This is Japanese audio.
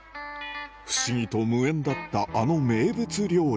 不思議と無縁だったあの名物料理。